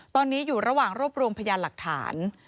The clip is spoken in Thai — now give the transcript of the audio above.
ตอนนี้อยู่ระหว่างรวบรวมพยานหลักฐาน